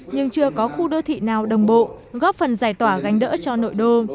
nhưng chưa có khu đô thị nào đồng bộ góp phần giải tỏa gánh đỡ cho nội đô